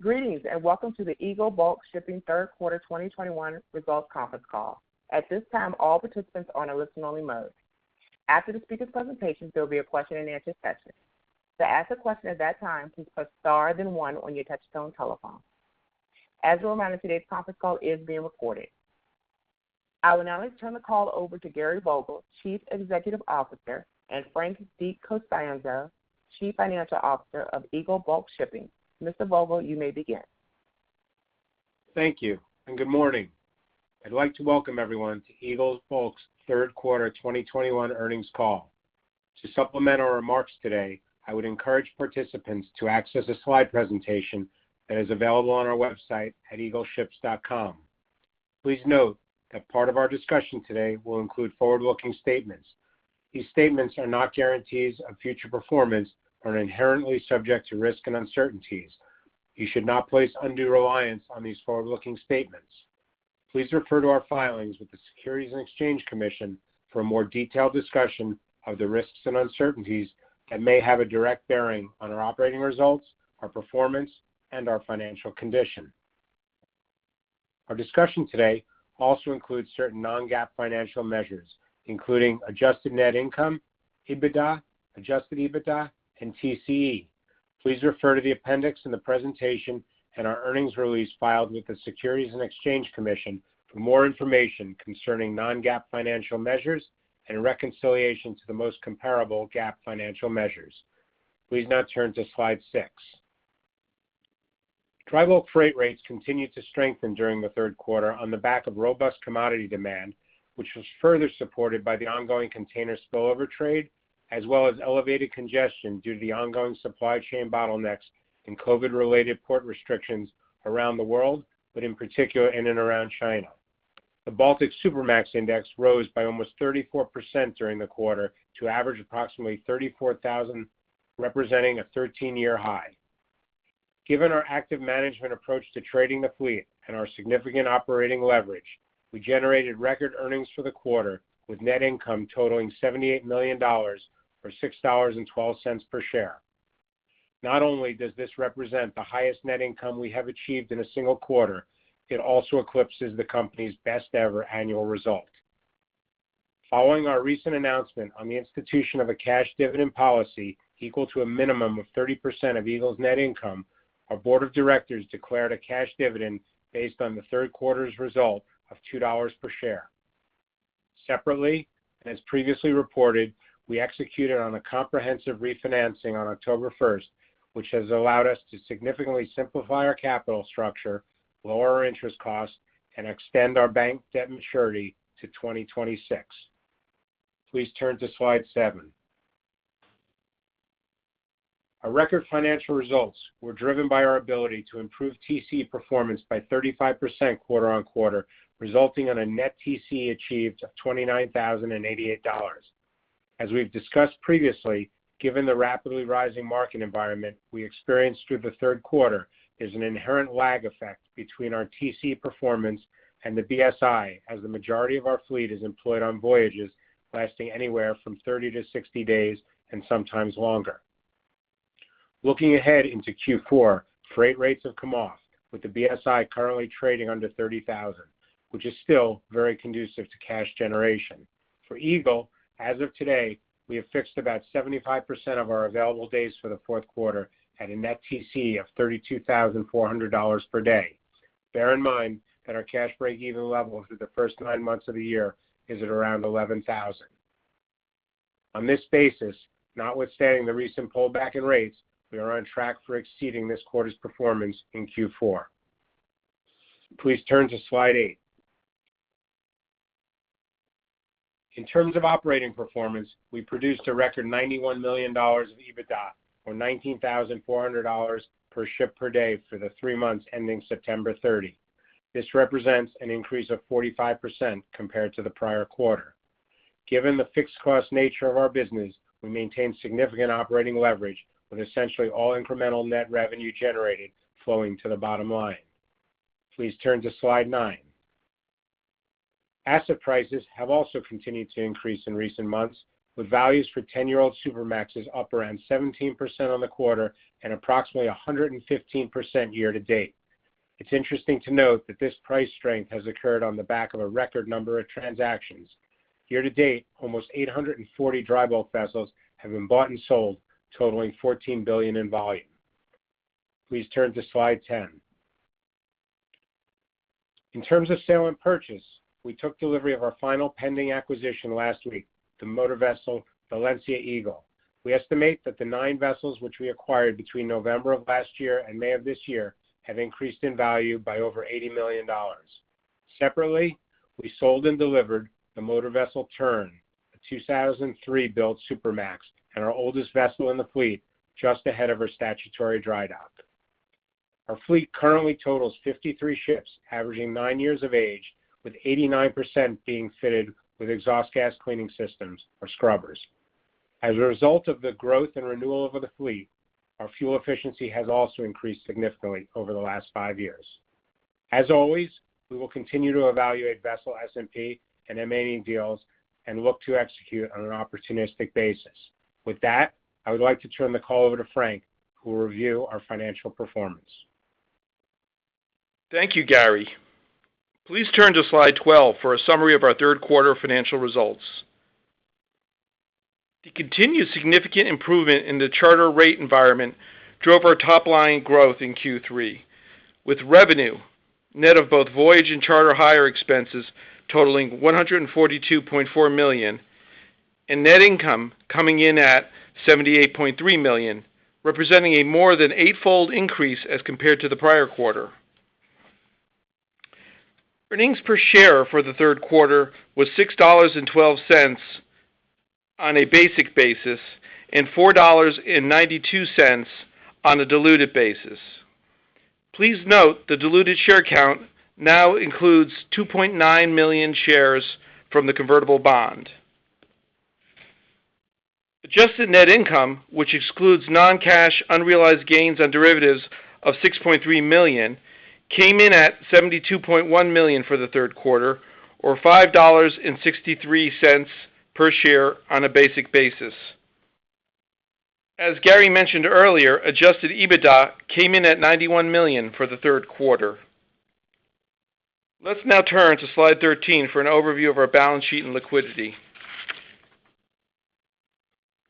Greetings, and welcome to the Eagle Bulk Shipping Third Quarter 2021 Results Conference Call. At this time, all participants are on a listen-only mode. After the speaker's presentations, there'll be a question-and-answer session. To ask a question at that time, please press star then one on your touchtone telephone. As a reminder, today's conference call is being recorded. I will now turn the call over to Gary Vogel, Chief Executive Officer, and Frank De Costanzo, Chief Financial Officer of Eagle Bulk Shipping. Mr. Vogel, you may begin. Thank you, and good morning. I'd like to welcome everyone to Eagle Bulk Shipping's third quarter 2021 earnings call. To supplement our remarks today, I would encourage participants to access a slide presentation that is available on our website at eagleships.com. Please note that part of our discussion today will include forward-looking statements. These statements are not guarantees of future performance and are inherently subject to risks and uncertainties. You should not place undue reliance on these forward-looking statements. Please refer to our filings with the Securities and Exchange Commission for a more detailed discussion of the risks and uncertainties that may have a direct bearing on our operating results, our performance, and our financial condition. Our discussion today also includes certain non-GAAP financial measures, including adjusted net income, EBITDA, adjusted EBITDA, and TCE. Please refer to the appendix in the presentation and our earnings release filed with the Securities and Exchange Commission for more information concerning non-GAAP financial measures and reconciliation to the most comparable GAAP financial measures. Please now turn to slide 6. Dry bulk freight rates continued to strengthen during the third quarter on the back of robust commodity demand, which was further supported by the ongoing container spillover trade, as well as elevated congestion due to the ongoing supply chain bottlenecks and COVID-related port restrictions around the world, but in particular in and around China. The Baltic Supramax Index rose by almost 34% during the quarter to average approximately 34,000, representing a 13-year high. Given our active management approach to trading the fleet and our significant operating leverage, we generated record earnings for the quarter, with net income totaling $78 million or $6.12 per share. Not only does this represent the highest net income we have achieved in a single quarter, it also eclipses the company's best-ever annual result. Following our recent announcement on the institution of a cash dividend policy equal to a minimum of 30% of Eagle's net income, our board of directors declared a cash dividend based on the third quarter's result of $2 per share. Separately, and as previously reported, we executed on a comprehensive refinancing on October first, which has allowed us to significantly simplify our capital structure, lower our interest costs, and extend our bank debt maturity to 2026. Please turn to slide 7. Our record financial results were driven by our ability to improve TCE performance by 35% quarter-over-quarter, resulting in a net TCE achieved of $29,088. As we've discussed previously, given the rapidly rising market environment we experienced through the third quarter, there's an inherent lag effect between our TCE performance and the BSI, as the majority of our fleet is employed on voyages lasting anywhere from 30-60 days and sometimes longer. Looking ahead into Q4, freight rates have come off, with the BSI currently trading under 30,000, which is still very conducive to cash generation. For Eagle, as of today, we have fixed about 75% of our available days for the fourth quarter at a net TCE of $32,400 per day. Bear in mind that our cash break-even level through the first nine months of the year is at around 11,000. On this basis, notwithstanding the recent pullback in rates, we are on track for exceeding this quarter's performance in Q4. Please turn to slide 8. In terms of operating performance, we produced a record $91 million of EBITDA, or $19,400 per ship per day for the three months ending September 30. This represents an increase of 45% compared to the prior quarter. Given the fixed cost nature of our business, we maintain significant operating leverage with essentially all incremental net revenue generated flowing to the bottom line. Please turn to slide 9. Asset prices have also continued to increase in recent months, with values for 10-year-old Supramaxes up around 17% on the quarter and approximately 115% year-to-date. It's interesting to note that this price strength has occurred on the back of a record number of transactions. Year-to-date, almost 840 dry bulk vessels have been bought and sold, totaling $14 billion in volume. Please turn to slide 10. In terms of sale and purchase, we took delivery of our final pending acquisition last week, the motor vessel Valencia Eagle. We estimate that the nine vessels which we acquired between November of last year and May of this year have increased in value by over $80 million. Separately, we sold and delivered the motor vessel Tern, a 2003-built Supramax and our oldest vessel in the fleet, just ahead of her statutory dry dock. Our fleet currently totals 53 ships, averaging nine years of age, with 89% being fitted with exhaust gas cleaning systems or scrubbers. As a result of the growth and renewal of the fleet, our fuel efficiency has also increased significantly over the last five years. As always, we will continue to evaluate vessel S&P and M&A deals and look to execute on an opportunistic basis. With that, I would like to turn the call over to Frank, who will review our financial performance. Thank you, Gary. Please turn to slide 12 for a summary of our third quarter financial results. The continued significant improvement in the charter rate environment drove our top-line growth in Q3, with revenue net of both voyage and charter hire expenses totaling $142.4 million, and net income coming in at $78.3 million, representing a more than eight-fold increase as compared to the prior quarter. Earnings per share for the third quarter was $6.12 on a basic basis and $4.92 on a diluted basis. Please note the diluted share count now includes 2.9 million shares from the convertible bond. Adjusted net income, which excludes non-cash unrealized gains on derivatives of $6.3 million, came in at $72.1 million for the third quarter, or $5.63 per share on a basic basis. As Gary mentioned earlier, adjusted EBITDA came in at $91 million for the third quarter. Let's now turn to slide 13 for an overview of our balance sheet and liquidity.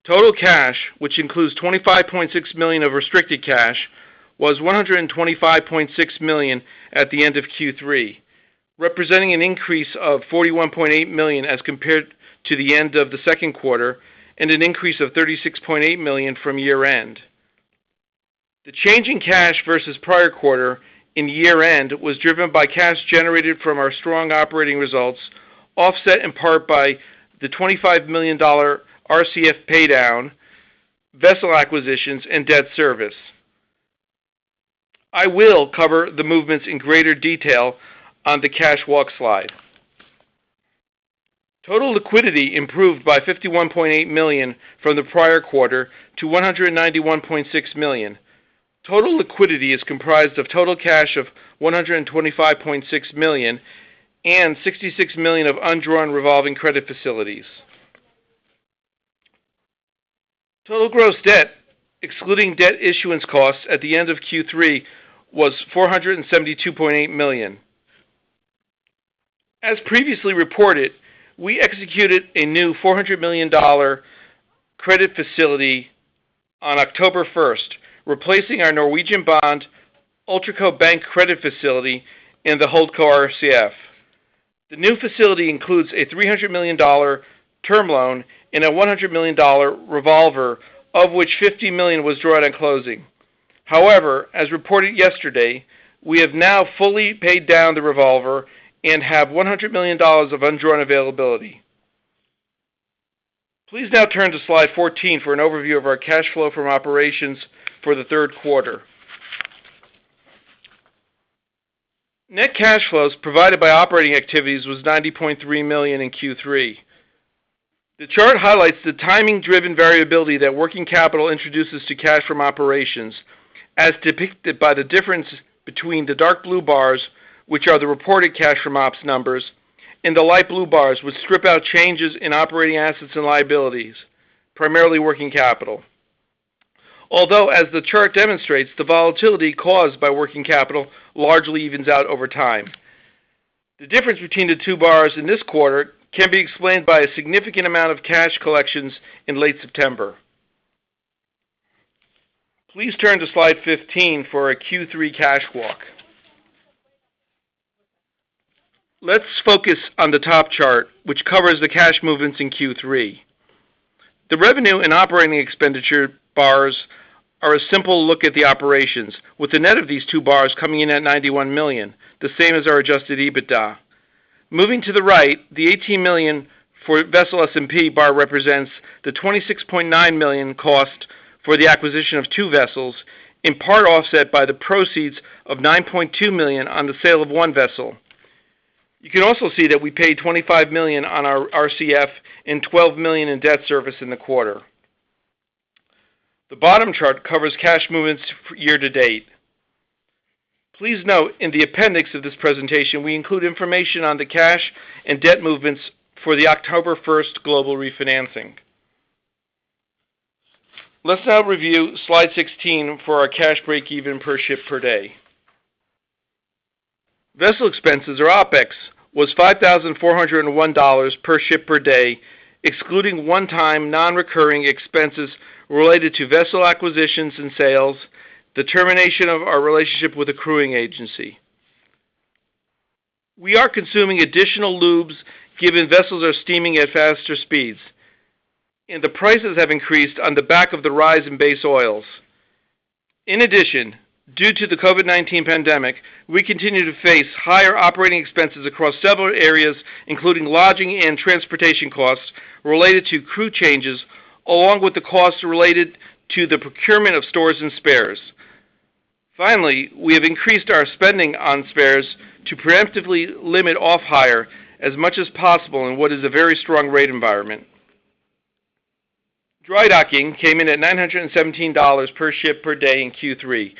Total cash, which includes $25.6 million of restricted cash, was $125.6 million at the end of Q3, representing an increase of $41.8 million as compared to the end of the second quarter and an increase of $36.8 million from year-end. The change in cash versus prior quarter in year-end was driven by cash generated from our strong operating results, offset in part by the $25 million RCF paydown, vessel acquisitions, and debt service. I will cover the movements in greater detail on the cash walk slide. Total liquidity improved by $51.8 million from the prior quarter to $191.6 million. Total liquidity is comprised of total cash of $125.6 million and $66 million of undrawn revolving credit facilities. Total gross debt, excluding debt issuance costs at the end of Q3, was $472.8 million. As previously reported, we executed a new $400 million credit facility on October first, replacing our Norwegian Bond, Ultraco bank credit facility, and the Holdco RCF. The new facility includes a $300 million term loan and a $100 million revolver, of which $50 million was drawn on closing. However, as reported yesterday, we have now fully paid down the revolver and have $100 million of undrawn availability. Please now turn to slide 14 for an overview of our cash flow from operations for the third quarter. Net cash flows provided by operating activities was $90.3 million in Q3. The chart highlights the timing-driven variability that working capital introduces to cash from operations, as depicted by the difference between the dark blue bars, which are the reported cash from ops numbers, and the light blue bars, which strip out changes in operating assets and liabilities, primarily working capital. Although, as the chart demonstrates, the volatility caused by working capital largely evens out over time. The difference between the two bars in this quarter can be explained by a significant amount of cash collections in late September. Please turn to slide 15 for our Q3 cash walk. Let's focus on the top chart, which covers the cash movements in Q3. The revenue and operating expenditure bars are a simple look at the operations, with the net of these two bars coming in at $91 million, the same as our adjusted EBITDA. Moving to the right, the $18 million for vessel S&P bar represents the $26.9 million cost for the acquisition of two vessels, in part offset by the proceeds of $9.2 million on the sale of one vessel. You can also see that we paid $25 million on our RCF and $12 million in debt service in the quarter. The bottom chart covers cash movements for year-to-date. Please note in the appendix of this presentation, we include information on the cash and debt movements for the October 1 global refinancing. Let's now review slide 16 for our cash breakeven per ship per day. Vessel expenses or OpEx was $5,401 per ship per day, excluding one-time non-recurring expenses related to vessel acquisitions and sales, the termination of our relationship with a crewing agency. We are consuming additional lubes given vessels are steaming at faster speeds, and the prices have increased on the back of the rise in base oils. In addition, due to the COVID-19 pandemic, we continue to face higher operating expenses across several areas, including lodging and transportation costs related to crew changes, along with the costs related to the procurement of stores and spares. Finally, we have increased our spending on spares to preemptively limit off-hire as much as possible in what is a very strong rate environment. Dry docking came in at $917 per ship per day in Q3,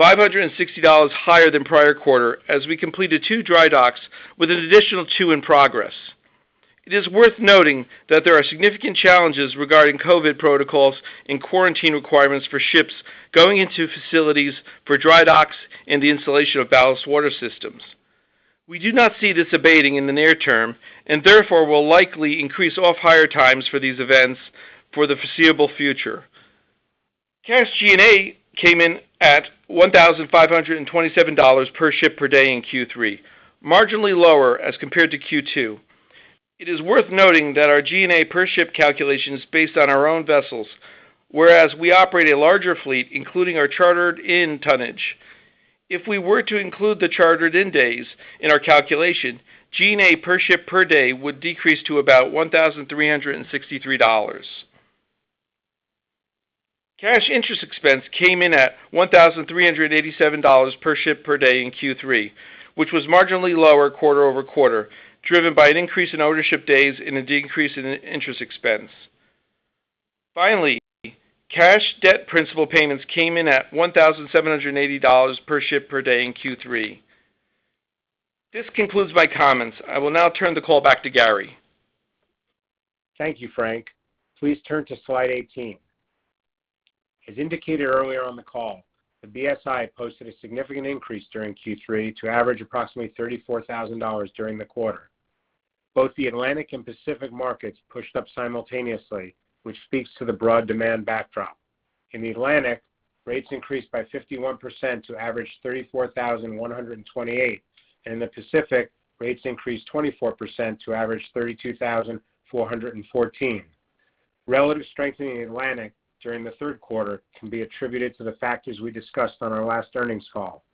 $560 higher than prior quarter as we completed two dry docks with an additional two in progress. It is worth noting that there are significant challenges regarding COVID protocols and quarantine requirements for ships going into facilities for dry docks and the installation of ballast water systems. We do not see this abating in the near term, and therefore will likely increase off-hire times for these events for the foreseeable future. Cash G&A came in at $1,527 per ship per day in Q3, marginally lower as compared to Q2. It is worth noting that our G&A per ship calculation is based on our own vessels, whereas we operate a larger fleet, including our chartered-in tonnage. If we were to include the chartered-in days in our calculation, G&A per ship per day would decrease to about $1,363. Cash interest expense came in at $1,387 per ship per day in Q3, which was marginally lower quarter-over-quarter, driven by an increase in ownership days and a decrease in interest expense. Finally, cash debt principal payments came in at $1,780 per ship per day in Q3. This concludes my comments. I will now turn the call back to Gary. Thank you, Frank. Please turn to slide 18. As indicated earlier on the call, the BSI posted a significant increase during Q3 to average approximately $34,000 during the quarter. Both the Atlantic and Pacific markets pushed up simultaneously, which speaks to the broad demand backdrop. In the Atlantic, rates increased by 51% to average $34,128. In the Pacific, rates increased 24% to average $32,414. Relative strength in the Atlantic during the third quarter can be attributed to the factors we discussed on our last earnings call.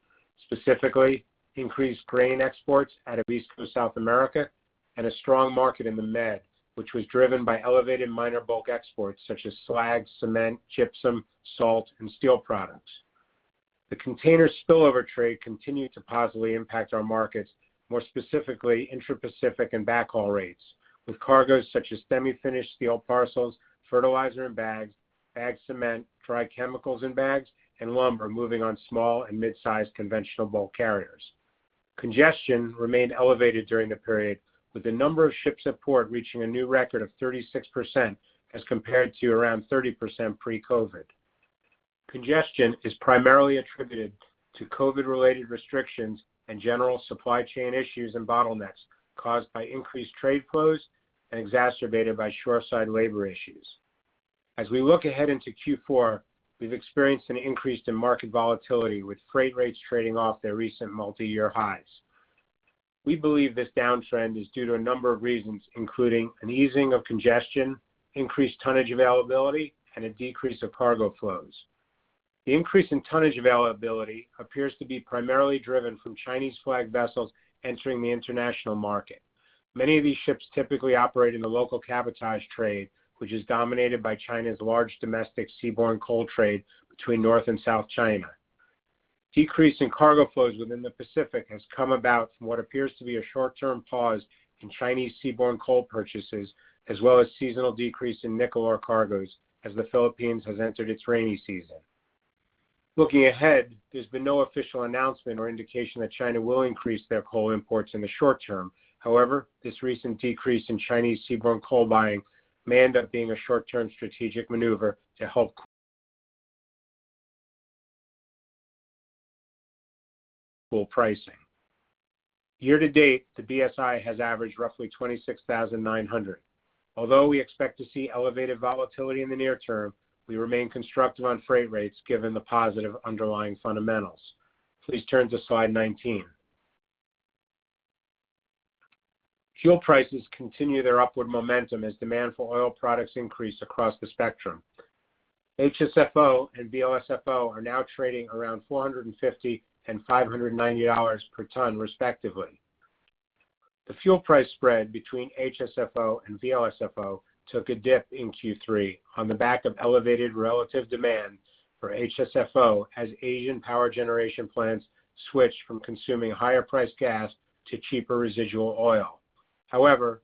Specifically, increased grain exports out of East Coast of South America and a strong market in the Med, which was driven by elevated minor bulk exports such as slags, cement, gypsum, salt, and steel products. The container spillover trade continued to positively impact our markets, more specifically Intra-Pacific and backhaul rates, with cargos such as semi-finished steel parcels, fertilizer in bags, bagged cement, dry chemicals in bags, and lumber moving on small and mid-sized conventional bulk carriers. Congestion remained elevated during the period, with the number of ships at port reaching a new record of 36% as compared to around 30% pre-COVID. Congestion is primarily attributed to COVID-related restrictions and general supply chain issues and bottlenecks caused by increased trade flows and exacerbated by shoreside labor issues. As we look ahead into Q4, we've experienced an increase in market volatility, with freight rates trading off their recent multi-year highs. We believe this downtrend is due to a number of reasons, including an easing of congestion, increased tonnage availability, and a decrease of cargo flows. The increase in tonnage availability appears to be primarily driven from Chinese flag vessels entering the international market. Many of these ships typically operate in the local cabotage trade, which is dominated by China's large domestic seaborne coal trade between North and South China. Decrease in cargo flows within the Pacific has come about from what appears to be a short-term pause in Chinese seaborne coal purchases, as well as seasonal decrease in nickel ore cargos as the Philippines has entered its rainy season. Looking ahead, there's been no official announcement or indication that China will increase their coal imports in the short term. However, this recent decrease in Chinese seaborne coal buying may end up being a short-term strategic maneuver to help coal pricing. Year to date, the BSI has averaged roughly $26,900. Although we expect to see elevated volatility in the near term, we remain constructive on freight rates given the positive underlying fundamentals. Please turn to slide 19. Fuel prices continue their upward momentum as demand for oil products increase across the spectrum. HSFO and VLSFO are now trading around $450 and $590 per ton, respectively. The fuel price spread between HSFO and VLSFO took a dip in Q3 on the back of elevated relative demand for HSFO as Asian power generation plants switched from consuming higher-priced gas to cheaper residual oil. However,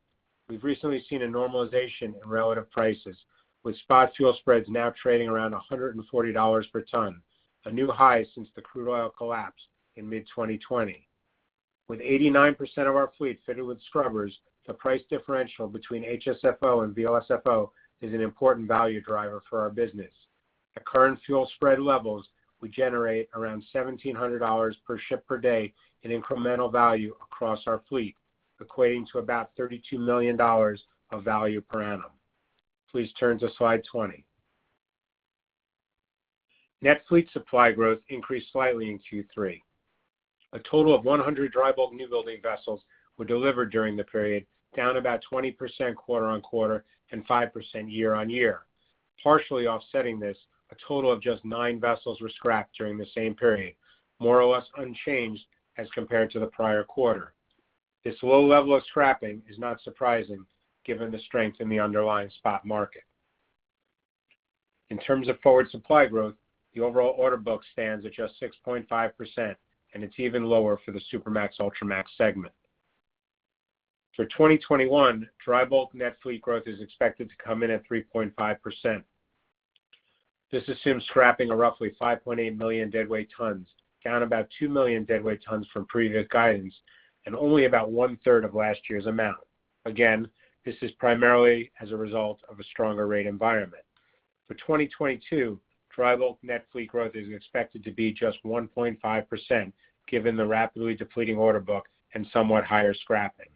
we've recently seen a normalization in relative prices, with spot fuel spreads now trading around $140 per ton, a new high since the crude oil collapse in mid-2020. With 89% of our fleet fitted with scrubbers, the price differential between HSFO and VLSFO is an important value driver for our business. At current fuel spread levels, we generate around $1,700 per ship per day in incremental value across our fleet, equating to about $32 million of value per annum. Please turn to slide 20. Net fleet supply growth increased slightly in Q3. A total of 100 dry bulk new-building vessels were delivered during the period, down about 20% quarter-over-quarter and 5% year-over-year. Partially offsetting this, a total of just nine vessels were scrapped during the same period, more or less unchanged as compared to the prior quarter. This low level of scrapping is not surprising given the strength in the underlying spot market. In terms of forward supply growth, the overall order book stands at just 6.5%, and it's even lower for the Supramax, Ultramax segment. For 2021, dry bulk net fleet growth is expected to come in at 3.5%. This assumes scrapping of roughly 5.8 million deadweight tons, down about 2 million deadweight tons from previous guidance and only about one-third of last year's amount. Again, this is primarily as a result of a stronger rate environment. For 2022, dry bulk net fleet growth is expected to be just 1.5% given the rapidly depleting order book and somewhat higher scrappings.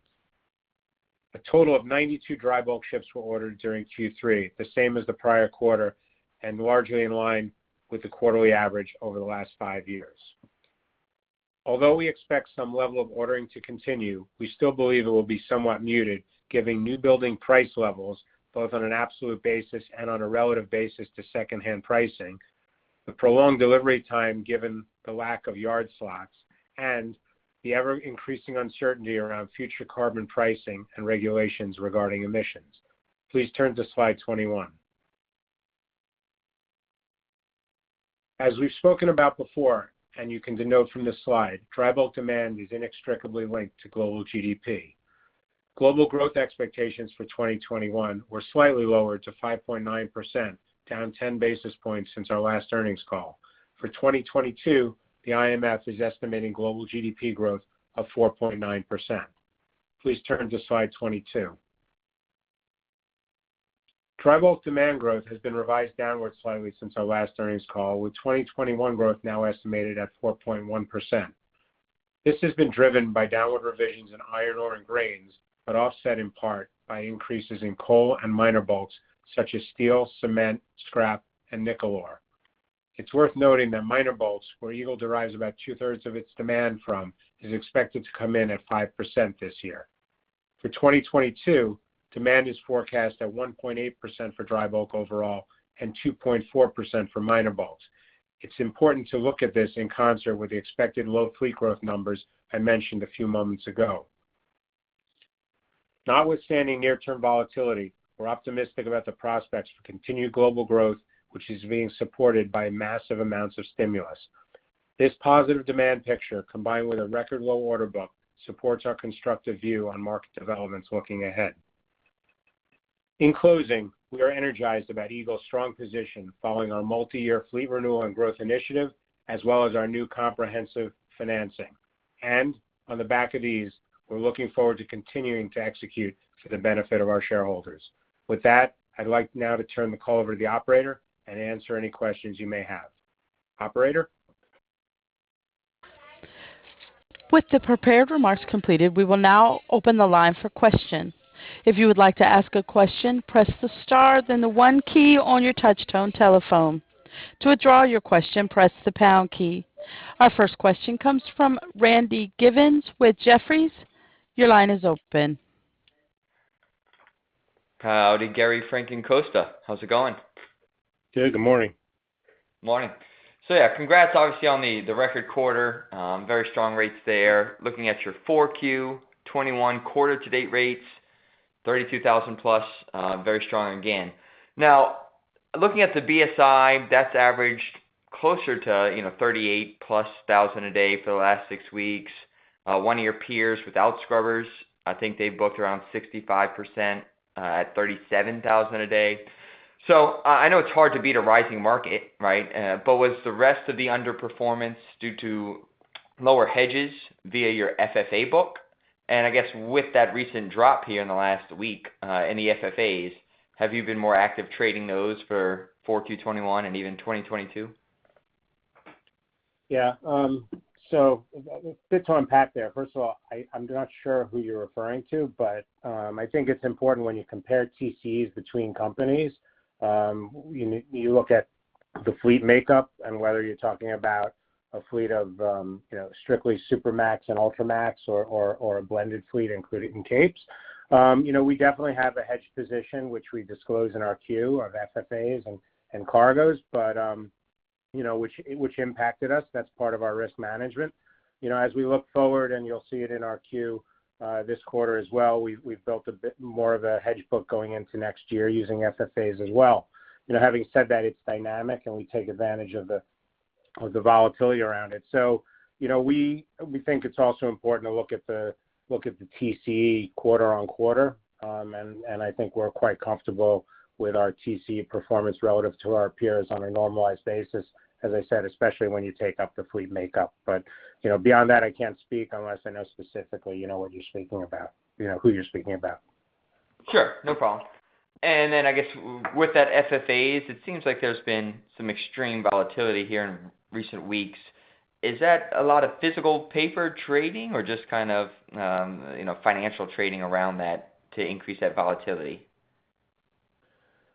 A total of 92 dry bulk ships were ordered during Q3, the same as the prior quarter and largely in line with the quarterly average over the last five years. Although we expect some level of ordering to continue, we still believe it will be somewhat muted, given new building price levels, both on an absolute basis and on a relative basis to secondhand pricing, the prolonged delivery time given the lack of yard slots, and the ever-increasing uncertainty around future carbon pricing and regulations regarding emissions. Please turn to slide 21. As we've spoken about before, and you can note from this slide, dry bulk demand is inextricably linked to global GDP. Global growth expectations for 2021 were slightly lowered to 5.9%, down 10 basis points since our last earnings call. For 2022, the IMF is estimating global GDP growth of 4.9%. Please turn to slide 22. Dry bulk demand growth has been revised downwards slightly since our last earnings call, with 2021 growth now estimated at 4.1%. This has been driven by downward revisions in iron ore and grains, but offset in part by increases in coal and minor bulks such as steel, cement, scrap, and nickel ore. It's worth noting that minor bulks, where Eagle derives about two-thirds of its demand from, is expected to come in at 5% this year. For 2022, demand is forecast at 1.8% for dry bulk overall and 2.4% for minor bulks. It's important to look at this in concert with the expected low fleet growth numbers I mentioned a few moments ago. Notwithstanding near-term volatility, we're optimistic about the prospects for continued global growth, which is being supported by massive amounts of stimulus. This positive demand picture, combined with a record low order book, supports our constructive view on market developments looking ahead. In closing, we are energized about Eagle's strong position following our multi-year fleet renewal and growth initiative, as well as our new comprehensive financing. On the back of these, we're looking forward to continuing to execute for the benefit of our shareholders. With that, I'd like now to turn the call over to the operator and answer any questions you may have. Operator? With the prepared remarks completed, we will now open the line for questions. If you would like to ask a question, press the star, then the one key on your touch tone telephone. To withdraw your question, press the pound key. Our first question comes from Randy Giveans with Jefferies. Your line is open. Howdy, Gary, Frank, and Costa. How's it going? Good. Good morning. Morning. Yeah, congrats obviously on the record quarter. Very strong rates there. Looking at your 4Q 2021 quarter-to-date rates, $32,000+, very strong again. Now, looking at the BSI, that's averaged closer to $38,000+ a day for the last six weeks. One of your peers without scrubbers, I think they've booked around 65% at $37,000 a day. I know it's hard to beat a rising market, right? Was the rest of the underperformance due to lower hedges via your FFA book? I guess with that recent drop here in the last week in the FFAs, have you been more active trading those for 4Q 2021 and even 2022? Yeah. So a bit to unpack there. First of all, I'm not sure who you're referring to, but I think it's important when you compare TCs between companies, you look at the fleet makeup and whether you're talking about a fleet of, you know, strictly Supramax and Ultramax or a blended fleet, including Capes. You know, we definitely have a hedge position, which we disclose in our Q of FFAs and cargoes, but which impacted us. That's part of our risk management. You know, as we look forward, and you'll see it in our Q this quarter as well, we've built a bit more of a hedge book going into next year using FFAs as well. You know, having said that, it's dynamic, and we take advantage of the volatility around it. You know, we think it's also important to look at the TC quarter-over-quarter. I think we're quite comfortable with our TC performance relative to our peers on a normalized basis, as I said, especially when you take up the fleet makeup. You know, beyond that, I can't speak unless I know specifically, you know, what you're speaking about, you know, who you're speaking about. Sure. No problem. I guess with that FFAs, it seems like there's been some extreme volatility here in recent weeks. Is that a lot of physical paper trading or just kind of, you know, financial trading around that to increase that volatility?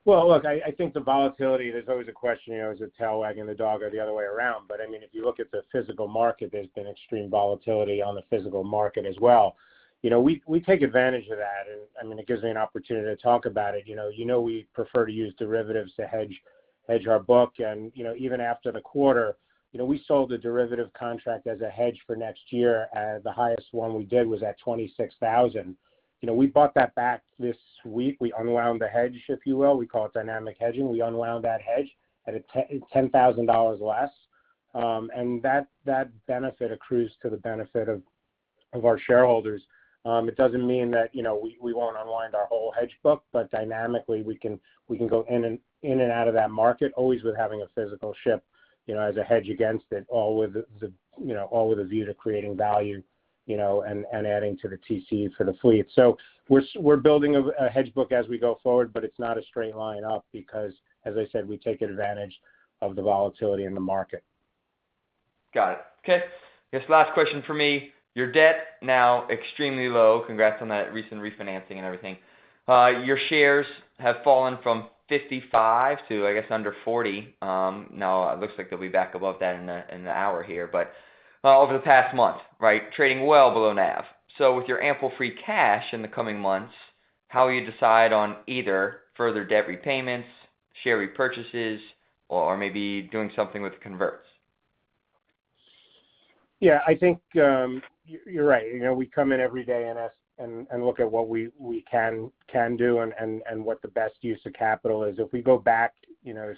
Well, look, I think the volatility, there's always a question, you know, is the tail wagging the dog or the other way around. I mean, if you look at the physical market, there's been extreme volatility on the physical market as well. You know, we take advantage of that, and I mean, it gives me an opportunity to talk about it. You know, we prefer to use derivatives to hedge our book. You know, even after the quarter, you know, we sold a derivative contract as a hedge for next year. The highest one we did was at $26,000. You know, we bought that back this week. We unwound the hedge, if you will. We call it dynamic hedging. We unwound that hedge at a $10,000 less. That benefit accrues to the benefit of our shareholders. It doesn't mean that, you know, we won't unwind our whole hedge book, but dynamically we can go in and out of that market, always with having a physical ship, you know, as a hedge against it, all with, you know, a view to creating value, you know, and adding to the TC for the fleet. We're building a hedge book as we go forward, but it's not a straight line up because, as I said, we take advantage of the volatility in the market. Got it. Okay. I guess last question from me. Your debt is now extremely low. Congrats on that recent refinancing and everything. Your shares have fallen from $55 to, I guess, under $40. Now it looks like they'll be back above that in the hour here, but over the past month, right, trading well below NAV. With your ample free cash in the coming months, how will you decide on either further debt repayments, share repurchases, or maybe doing something with converts? Yeah, I think you're right. You know, we come in every day and look at what we can do and what the best use of capital is. If we go back, you know,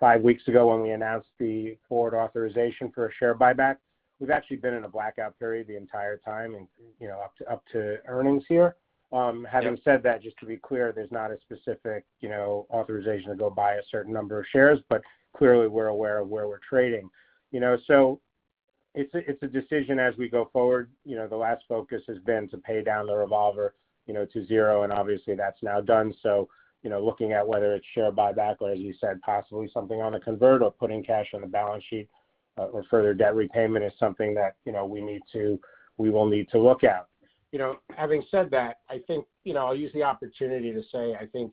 five weeks ago when we announced the board authorization for a share buyback, we've actually been in a blackout period the entire time and, you know, up to earnings here. Yep. Having said that, just to be clear, there's not a specific, you know, authorization to go buy a certain number of shares, but clearly we're aware of where we're trading. You know, it's a decision as we go forward. You know, the last focus has been to pay down the revolver, you know, to zero, and obviously that's now done. You know, looking at whether it's share buyback or, as you said, possibly something on a convert or putting cash on the balance sheet, or further debt repayment is something that, you know, we will need to look at. You know, having said that, I think, you know, I'll use the opportunity to say, I think,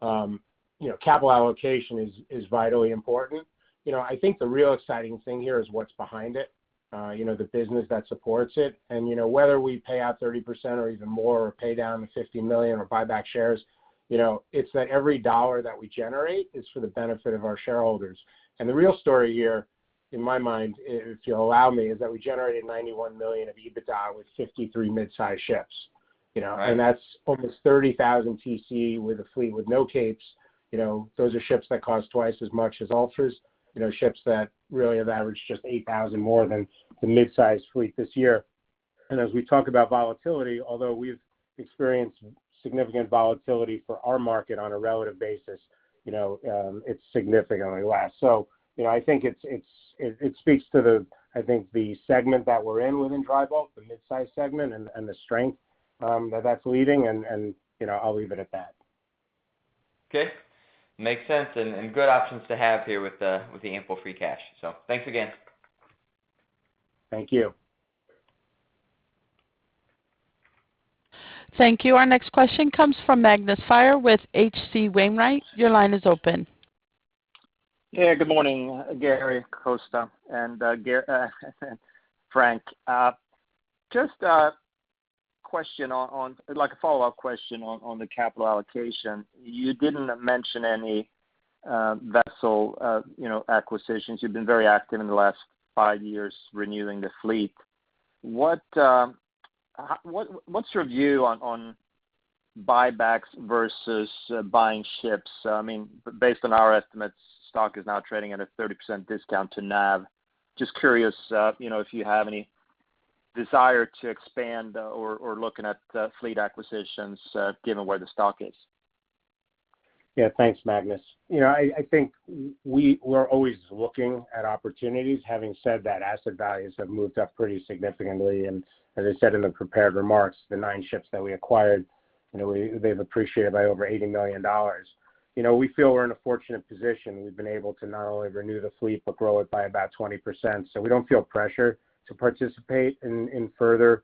you know, capital allocation is vitally important. You know, I think the real exciting thing here is what's behind it, you know, the business that supports it. You know, whether we pay out 30% or even more, or pay down $50 million or buy back shares, you know, it's that every dollar that we generate is for the benefit of our shareholders. The real story here, in my mind, if you'll allow me, is that we generated $91 million of EBITDA with 53 midsize ships, you know. Right. That's almost 30,000 TC with a fleet with no capes. You know, those are ships that cost twice as much as Ultras. You know, ships that really have averaged just 8,000 more than the mid-sized fleet this year. As we talk about volatility, although we've experienced significant volatility for our market on a relative basis, you know, it's significantly less. You know, I think it speaks to the, I think, the segment that we're in within dry bulk, the mid-size segment, you know, I'll leave it at that. Okay. Makes sense. Good options to have here with the ample free cash. Thanks again. Thank you. Thank you. Our next question comes from Magnus Fyhr with H.C. Wainwright. Your line is open. Yeah, good morning, Gary, Costa, and Frank. Like a follow-up question on the capital allocation. You didn't mention any vessel, you know, acquisitions. You've been very active in the last five years renewing the fleet. What's your view on buybacks versus buying ships? I mean, based on our estimates, stock is now trading at a 30% discount to NAV. Just curious, you know, if you have any desire to expand or looking at the fleet acquisitions, given where the stock is. Yeah. Thanks, Magnus. You know, I think we're always looking at opportunities. Having said that, asset values have moved up pretty significantly, and as I said in the prepared remarks, the nine ships that we acquired, you know, they've appreciated by over $80 million. You know, we feel we're in a fortunate position. We've been able to not only renew the fleet, but grow it by about 20%. We don't feel pressure to participate in further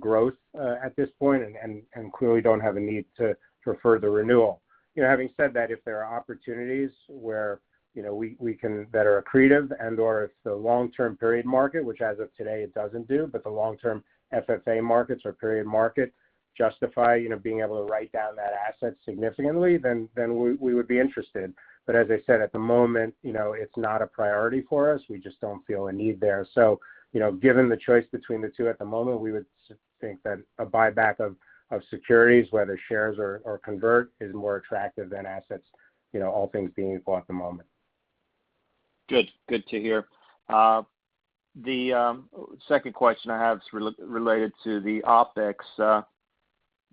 growth at this point, and clearly don't have a need for further renewal. You know, having said that, if there are opportunities where, you know, we can that are accretive and/or if the long-term period market, which as of today it doesn't do, but the long-term FFA markets or period market justify, you know, being able to write down that asset significantly, then we would be interested. As I said, at the moment, you know, it's not a priority for us. We just don't feel a need there. You know, given the choice between the two at the moment, we would think that a buyback of securities, whether shares or convert, is more attractive than assets, you know, all things being equal at the moment. Good. Good to hear. The second question I have is related to the OpEx.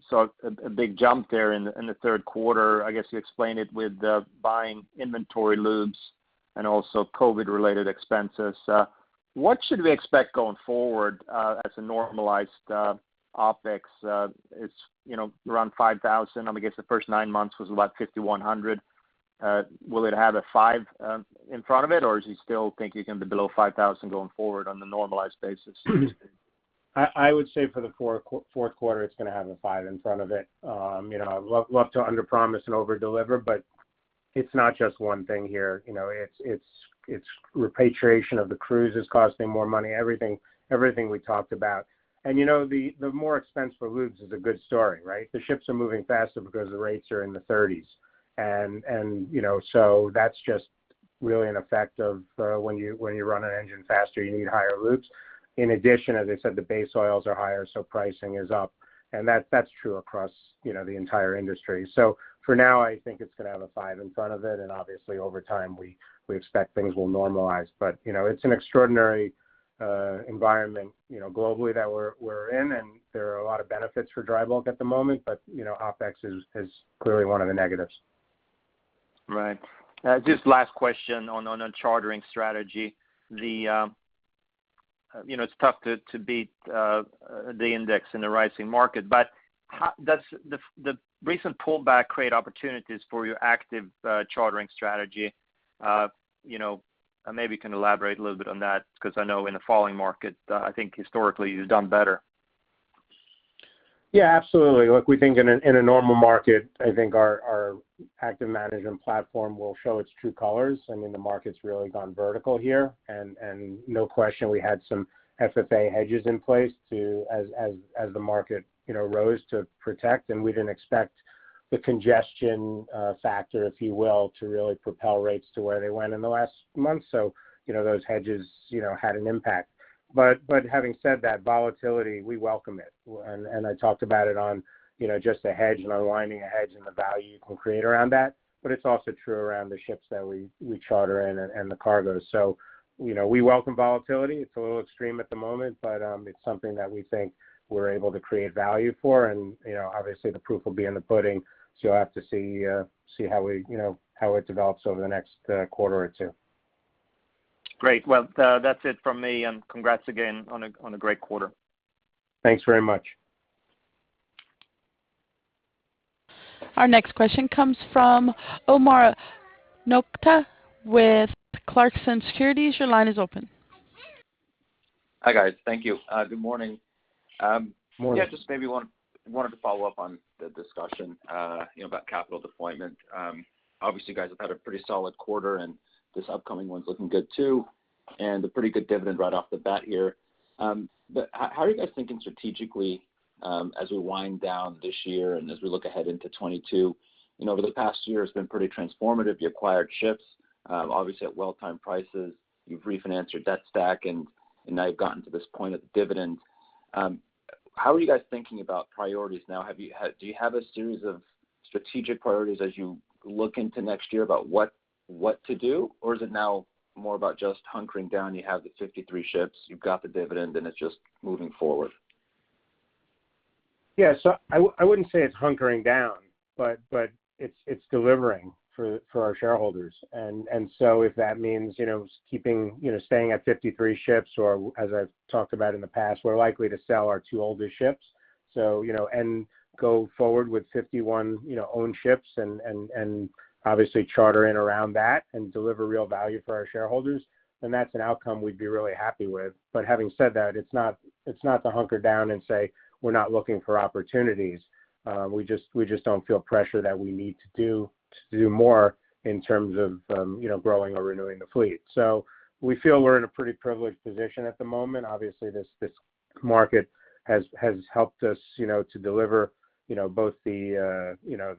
Saw a big jump there in the third quarter. I guess you explained it with buying inventory lubes and also COVID-related expenses. What should we expect going forward as a normalized OpEx? It's, you know, around $5,000. I guess the first nine months was about $5,100. Will it have a five in front of it, or do you still think you can be below $5,000 going forward on a normalized basis? I would say for the fourth quarter, it's gonna have a five in front of it. You know, I'd love to underpromise and overdeliver, but it's not just one thing here. You know, it's repatriation of the crews costing more money, everything we talked about. You know, the more expense for lubes is a good story, right? The ships are moving faster because the rates are in the 30s. You know, so that's just really an effect of when you run an engine faster, you need higher lubes. In addition, as I said, the base oils are higher, so pricing is up. That's true across you know, the entire industry. For now, I think it's gonna have a five in front of it, and obviously over time, we expect things will normalize. You know, it's an extraordinary environment, you know, globally that we're in, and there are a lot of benefits for dry bulk at the moment, but, you know, OpEx is clearly one of the negatives. Right. Just last question on a chartering strategy. You know, it's tough to beat the index in a rising market, but how does the recent pullback create opportunities for your active chartering strategy? You know, maybe you can elaborate a little bit on that because I know in a falling market, I think historically you've done better. Yeah, absolutely. Look, we think in a normal market, I think our active management platform will show its true colors. I mean, the market's really gone vertical here and no question we had some FFA hedges in place to, as the market you know rose to protect, and we didn't expect the congestion factor, if you will, to really propel rates to where they went in the last month. You know, those hedges you know had an impact. Having said that, volatility, we welcome it. I talked about it on, you know, just a hedge and aligning a hedge and the value you can create around that, but it's also true around the ships that we charter in and the cargoes. You know, we welcome volatility. It's a little extreme at the moment, but it's something that we think we're able to create value for. You know, obviously the proof will be in the pudding, so you'll have to see how we, you know, how it develops over the next quarter or two. Great. Well, that's it from me, and congrats again on a great quarter. Thanks very much. Our next question comes from Omar Nokta with Clarksons Securities. Your line is open. Hi, guys. Thank you. Good morning. Morning. Yeah, just maybe wanted to follow up on the discussion, you know, about capital deployment. Obviously, you guys have had a pretty solid quarter, and this upcoming one's looking good too, and a pretty good dividend right off the bat here. But how are you guys thinking strategically, as we wind down this year and as we look ahead into 2022? You know, over the past year, it's been pretty transformative. You acquired ships, obviously at well-timed prices. You've refinanced your debt stack, and now you've gotten to this point of dividend. How are you guys thinking about priorities now? Have you had- Do you have a series of strategic priorities as you look into next year about what to do, or is it now more about just hunkering down, you have the 53 ships, you've got the dividend, and it's just moving forward? Yeah. I wouldn't say it's hunkering down, but it's delivering for our shareholders. If that means, you know, keeping, you know, staying at 53 ships or as I've talked about in the past, we're likely to sell our two oldest ships, you know, and go forward with 51, you know, owned ships and obviously charter in around that and deliver real value for our shareholders, then that's an outcome we'd be really happy with. Having said that, it's not to hunker down and say we're not looking for opportunities. We just don't feel pressure that we need to do more in terms of, you know, growing or renewing the fleet. We feel we're in a pretty privileged position at the moment. Obviously, this market has helped us, you know, to deliver, you know, both the you know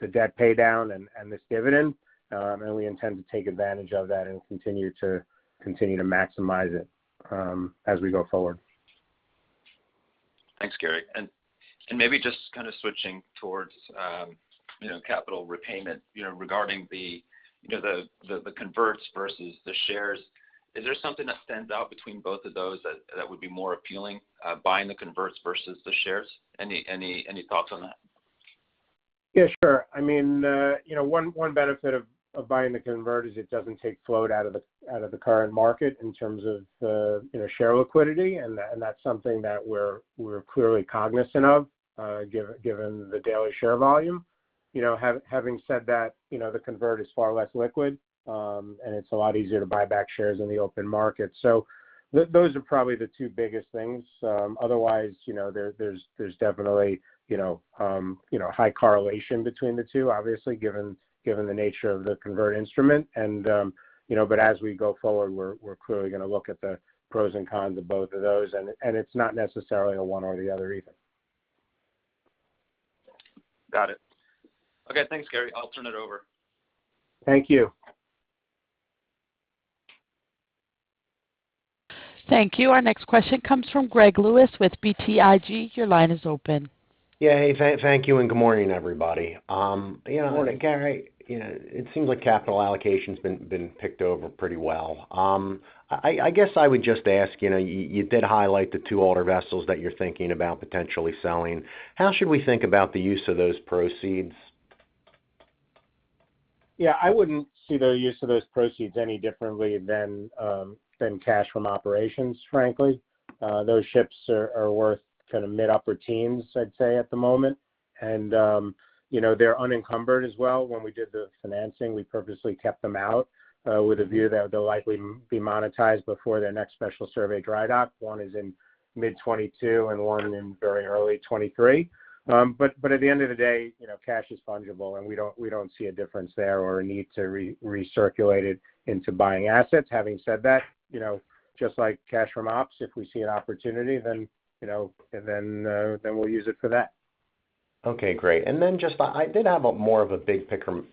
the debt pay down and this dividend, and we intend to take advantage of that and continue to maximize it, as we go forward. Thanks, Gary. Maybe just kind of switching towards, you know, capital repayment, you know, regarding the, you know, the converts versus the shares. Is there something that stands out between both of those that would be more appealing, buying the converts versus the shares? Any thoughts on that? Yeah, sure. I mean, you know, one benefit of buying the convert is it doesn't take float out of the current market in terms of the share liquidity, and that's something that we're clearly cognizant of, given the daily share volume. You know, having said that, you know, the convert is far less liquid, and it's a lot easier to buy back shares in the open market. Those are probably the two biggest things. Otherwise, you know, there's definitely high correlation between the two, obviously, given the nature of the convert instrument. you know, but as we go forward, we're clearly gonna look at the pros and cons of both of those, and it's not necessarily a one or the other either. Got it. Okay, thanks, Gary. I'll turn it over. Thank you. Thank you. Our next question comes from Greg Lewis with BTIG. Your line is open. Yeah. Hey, thank you, and good morning, everybody. You know. Morning, Greg. You know, it seems like capital allocation's been picked over pretty well. I guess I would just ask, you know, you did highlight the two older vessels that you're thinking about potentially selling. How should we think about the use of those proceeds? Yeah. I wouldn't see the use of those proceeds any differently than cash from operations, frankly. Those ships are worth kind of mid- to upper teens, I'd say, at the moment. You know, they're unencumbered as well. When we did the financing, we purposely kept them out with a view that they'll likely be monetized before their next special survey dry dock. One is in mid-2022 and one in very early 2023. At the end of the day, you know, cash is fungible, and we don't see a difference there or a need to recirculate it into buying assets. Having said that, you know, just like cash from ops, if we see an opportunity then we'll use it for that. Okay, great. Just, I did have more of a big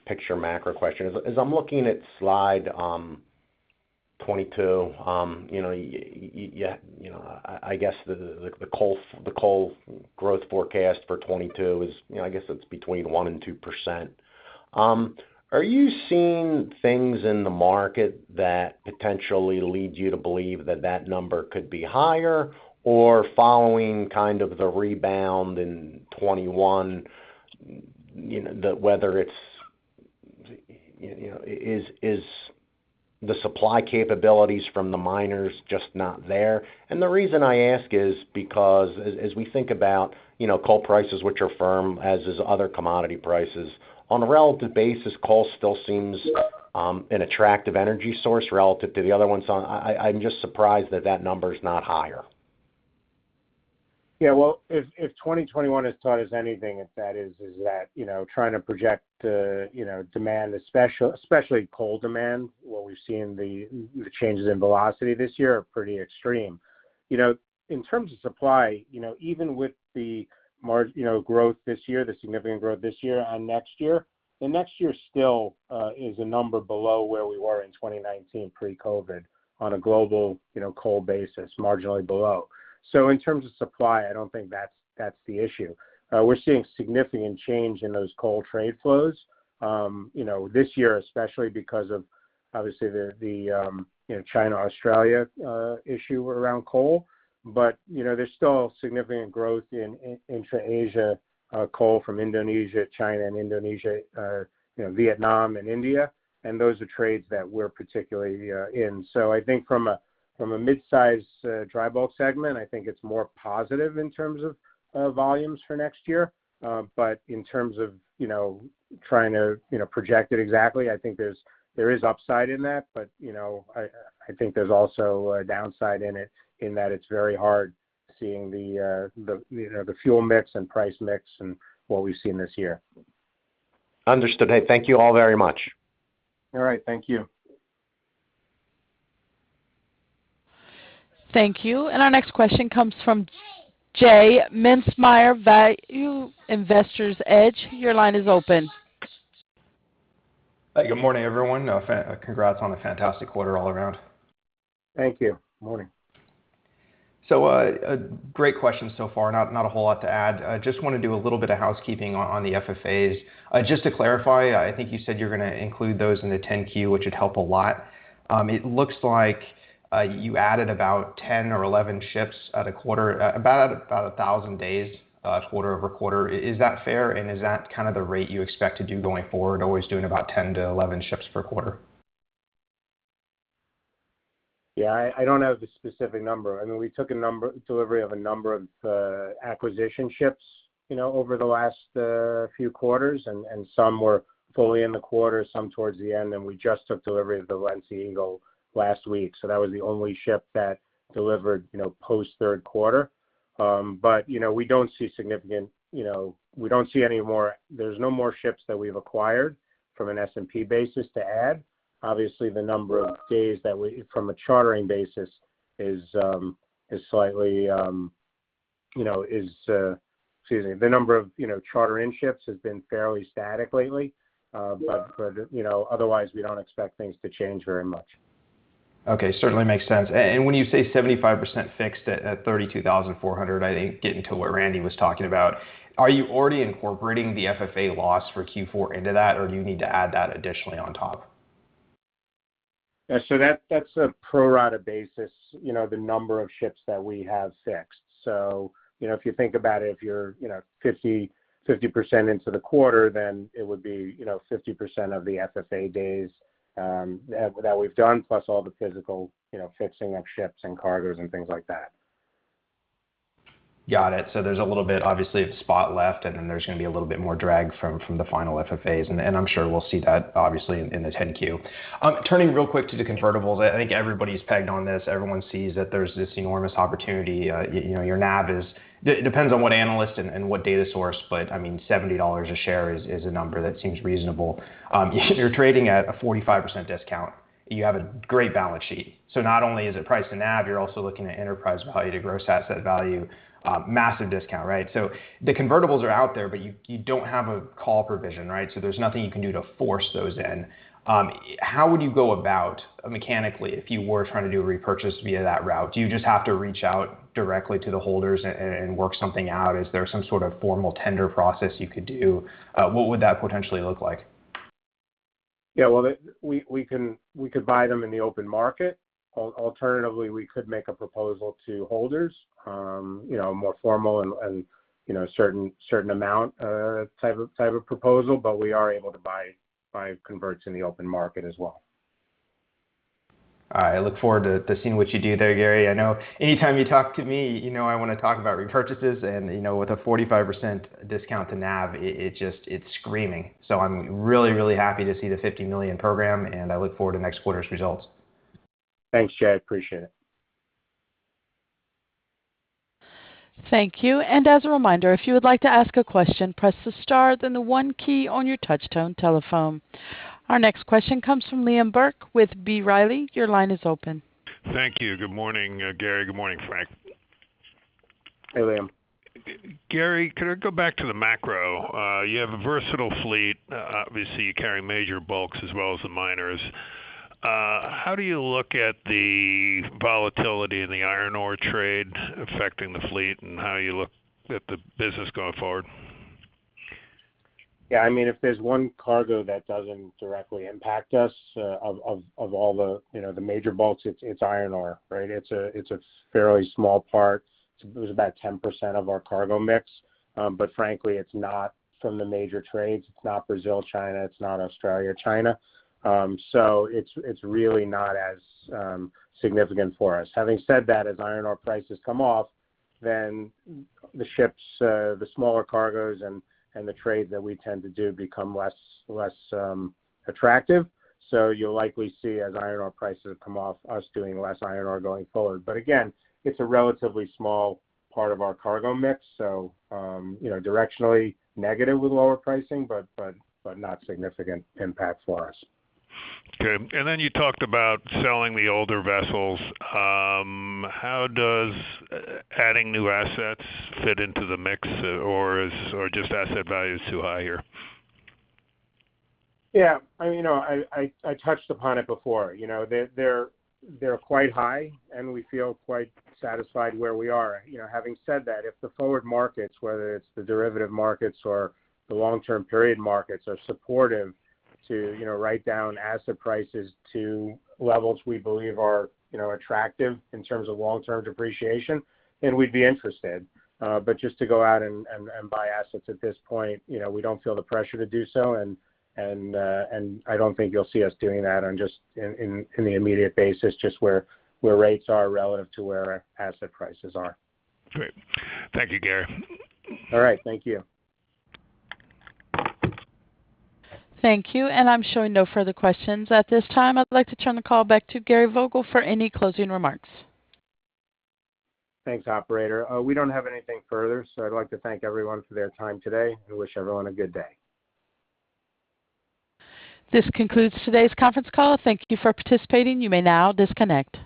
picture macro question. As I'm looking at slide 22, you know, yeah, you know, I guess the coal growth forecast for 2022 is, you know, I guess it's between 1% and 2%. Are you seeing things in the market that potentially lead you to believe that that number could be higher or following kind of the rebound in 2021, you know, whether it's, you know, is the supply capabilities from the miners just not there? The reason I ask is because as we think about, you know, coal prices which are firm, as are other commodity prices, on a relative basis, coal still seems an attractive energy source relative to the other ones. I'm just surprised that that number is not higher. Yeah. Well, if 2021 has taught us anything, that is that, you know, trying to project, you know, demand especially coal demand, what we've seen the changes in velocity this year are pretty extreme. You know, in terms of supply, you know, even with the growth this year, the significant growth this year on next year, then next year still is a number below where we were in 2019 pre-COVID on a global, you know, coal basis, marginally below. In terms of supply, I don't think that's the issue. We're seeing significant change in those coal trade flows, you know, this year especially because of, obviously, the China-Australia issue around coal. You know, there's still significant growth in intra-Asia coal from Indonesia, China and Indonesia, you know, Vietnam and India, and those are trades that we're particularly in. I think from a midsize dry bulk segment, I think it's more positive in terms of volumes for next year. In terms of you know trying to you know project it exactly, I think there is upside in that. You know, I think there's also a downside in it, in that it's very hard seeing the fuel mix and price mix and what we've seen this year. Understood. Hey, thank you all very much. All right. Thank you. Thank you. Our next question comes from J Mintzmyer, Value Investor's Edge. Your line is open. Good morning, everyone. Congrats on a fantastic quarter all around. Thank you. Morning. Great question so far. Not a whole lot to add. I just wanna do a little bit of housekeeping on the FFAs. Just to clarify, I think you said you're gonna include those in the 10-Q, which would help a lot. It looks like you added about 10 or 11 ships at a quarter, about 1,000 days, quarter-over-quarter. Is that fair? And is that kind of the rate you expect to do going forward, always doing about 10 to 11 ships per quarter? Yeah. I don't have the specific number. I mean, we took delivery of a number of acquisition ships, you know, over the last few quarters, and some were fully in the quarter, some towards the end, and we just took delivery of the Valencia Eagle last week. That was the only ship that delivered, you know, post third quarter. You know, we don't see any more. There's no more ships that we've acquired from an S&P basis to add. Obviously, the number of days from a chartering basis is slightly, you know. Excuse me. The number of charter in ships has been fairly static lately. You know, otherwise we don't expect things to change very much. Okay. Certainly makes sense. When you say 75% fixed at $32,400, I think getting to what Randy was talking about, are you already incorporating the FFA loss for Q4 into that, or do you need to add that additionally on top? Yeah. That's a pro rata basis, you know, the number of ships that we have fixed. You know, if you think about it, if you're, you know, 50% into the quarter, then it would be, you know, 50% of the FFA days that we've done, plus all the physical, you know, fixing of ships and cargos and things like that. Got it. There's a little bit, obviously, of spot left, and then there's gonna be a little bit more drag from the final FFAs. I'm sure we'll see that obviously in the 10-Q. Turning real quick to the convertibles. I think everybody's pegged on this. Everyone sees that there's this enormous opportunity. You know, your NAV is... Depends on what analyst and what data source, but I mean, $70 a share is a number that seems reasonable. You're trading at a 45% discount. You have a great balance sheet. Not only is it price to NAV, you're also looking at enterprise value to gross asset value, massive discount, right? The convertibles are out there, but you don't have a call provision, right? There's nothing you can do to force those in. How would you go about mechanically if you were trying to do a repurchase via that route? Do you just have to reach out directly to the holders and work something out? Is there some sort of formal tender process you could do? What would that potentially look like? Yeah. Well, we could buy them in the open market. Alternatively, we could make a proposal to holders, you know, more formal and, you know, certain amount, type of proposal. We are able to buy converts in the open market as well. All right. I look forward to seeing what you do there, Gary. I know anytime you talk to me, you know I wanna talk about repurchases. You know, with a 45% discount to NAV, it just, it's screaming. I'm really, really happy to see the $50 million program, and I look forward to next quarter's results. Thanks, Jay. Appreciate it. Thank you. As a reminder, if you would like to ask a question, press the star then the one key on your touch-tone telephone. Our next question comes from Liam Burke with B. Riley. Your line is open. Thank you. Good morning, Gary. Good morning, Frank. Hey, Liam. Gary, could I go back to the macro? You have a versatile fleet. Obviously, you carry major bulks as well as the miners. How do you look at the volatility in the iron ore trade affecting the fleet and how you look at the business going forward? Yeah. I mean, if there's one cargo that doesn't directly impact us, of all the, you know, the major bulks, it's iron ore, right? It's a fairly small part. It was about 10% of our cargo mix. Frankly, it's not from the major trades. It's not Brazil, China. It's not Australia, China. It's really not as significant for us. Having said that, as iron ore prices come off, then the ships, the smaller cargoes and the trade that we tend to do become less attractive. You'll likely see as iron ore prices come off, us doing less iron ore going forward. Again, it's a relatively small part of our cargo mix, you know, directionally negative with lower pricing, but not significant impact for us. Okay. You talked about selling the older vessels. How does adding new assets fit into the mix or just asset value is too high here? Yeah. I touched upon it before. You know, they're quite high, and we feel quite satisfied where we are. You know, having said that, if the forward markets, whether it's the derivative markets or the long-term period markets, are supportive to write down asset prices to levels we believe are attractive in terms of long-term depreciation, then we'd be interested. But just to go out and buy assets at this point, you know, we don't feel the pressure to do so. And I don't think you'll see us doing that on just in the immediate basis, just where rates are relative to where asset prices are. Great. Thank you, Gary. All right. Thank you. Thank you. I'm showing no further questions. At this time, I'd like to turn the call back to Gary Vogel for any closing remarks. Thanks, operator. We don't have anything further, so I'd like to thank everyone for their time today and wish everyone a good day. This concludes today's conference call. Thank you for participating. You may now disconnect.